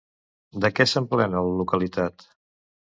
De què s'emplena la localitat?